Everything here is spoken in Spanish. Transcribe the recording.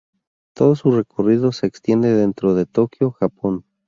Todo su recorrido se extiende dentro de Tokio, Japón.